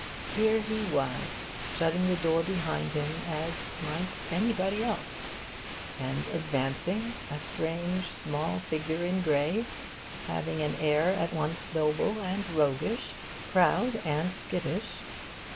Here he was, shutting the door behind him as might anybody else, and advancing a strange small figure in grey, having an air at once noble and roguish, proud and skittish.